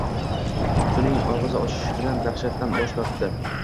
Qutining og`zini ochishi bilan dahshatdan tosh qotdi